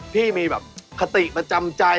พี่มีแบบคติประจำใจ